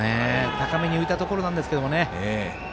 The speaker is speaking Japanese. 高めに浮いたところなんですけど。